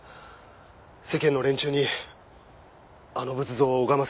世間の連中にあの仏像を拝ませちゃいけない。